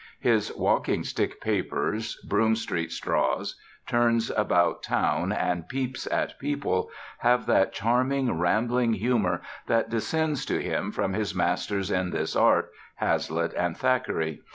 His Walking Stick Papers, Broome Street Straws, Turns about Town and Peeps at People have that charming rambling humor that descends to him from his masters in this art, Hazlitt and Thackeray.